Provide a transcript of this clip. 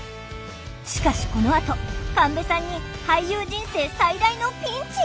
しかしこのあと神戸さんに俳優人生最大のピンチが！